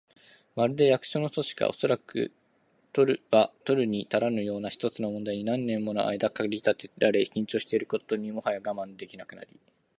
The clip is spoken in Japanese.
まるで、役所の組織が、おそらくは取るにたらぬような一つの問題に何年ものあいだ駆り立てられ、緊張していることにもはや我慢できなくなり、